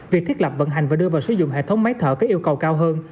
việc thiết lập vận hành và đưa vào sử dụng hệ thống máy thở có yêu cầu cao hơn